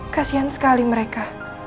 kasian sekali mereka